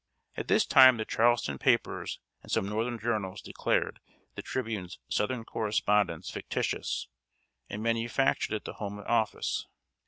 At this time the Charleston papers and some northern journals declared The Tribune's southern correspondence fictitious, and manufactured at the home office.